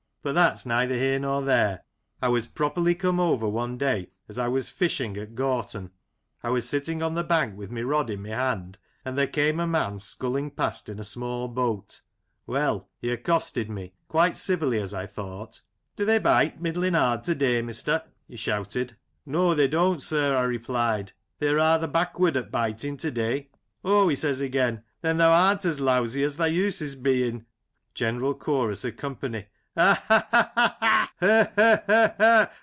But that's neither here nor there. I was properly come over one day as I was fishing at Gorton. I was sitting on the bank with my rod in my hand, and there came a man sculling past in a small boat. Well, he apcosted me, quite civilly as I thought " Do they bite middlin' hard to day, mister ?" he shouted. " No they don't, ii8 Lancashire Characters and Places, J9 sir," I replied, " they are rather backward at biting to day. " Oh," he says again, " then thou am't as lousy as tha uses bein?" General Chorus of Company : Ha ! ha ! ha